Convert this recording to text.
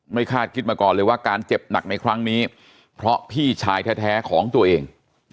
คาดคิดมาก่อนเลยว่าการเจ็บหนักในครั้งนี้เพราะพี่ชายแท้ของตัวเอง